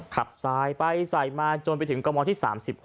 ขับซ้ายไปใส่มาจนไปถึงกระมอดที่๓๖